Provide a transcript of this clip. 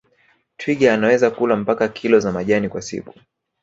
Twiga anaweza kula mpaka kilo za majani kwa siku